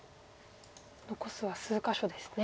残すは数か所ですね。